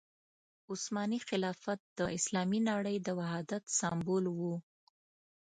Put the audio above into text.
عثماني خلافت د اسلامي نړۍ د وحدت سمبول وو.